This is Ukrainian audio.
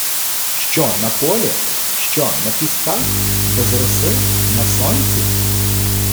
Що на полі, що на пісках, без роси, на сонці?